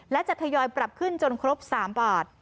และจะทยอยปรับขึ้นจนครบ๓บาท